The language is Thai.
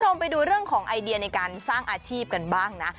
คุณผู้ชมไปดูเรื่องของไอเดียในการสร้างอาชีพกันบ้างนะ